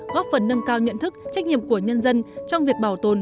góp phần nâng cao nhận thức trách nhiệm của nhân dân trong việc bảo tồn